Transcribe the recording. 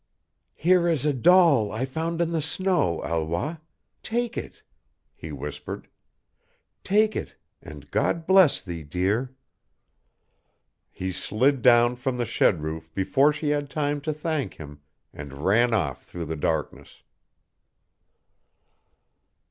"Here is a doll I found in the snow, Alois. Take it," he whispered "take it, and God bless thee, dear!" He slid down from the shed roof before she had time to thank him, and ran off through the darkness.